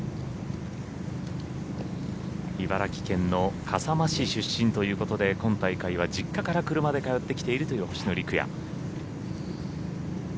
茨城県の笠間市出身ということで今大会は実家から車で通ってきているという星野陸也。